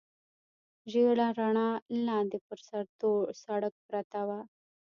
ژېړه رڼا، لاندې پر تور سړک پرته وه.